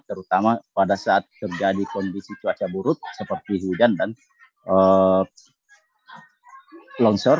terutama pada saat terjadi kondisi cuaca buruk seperti hujan dan longsor